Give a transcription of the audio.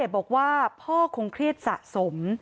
บอกว่าพ่อคงเครียดสะสม